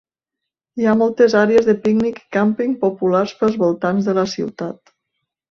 Hi ha moltes àrees de pícnic i càmping populars pels voltants de la ciutat.